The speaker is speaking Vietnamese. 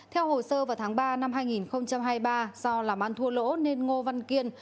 theo hồ sơ vào tháng ba năm hai nghìn hai mươi ba do làm ăn thua lỗ nên ngô văn kiên